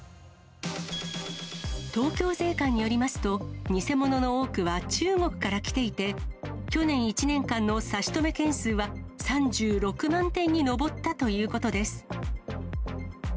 東京税関によりますと、偽物の多くは中国から来ていて、去年１年間の差し止め件数は３６万点に上ったということです。